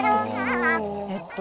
えっと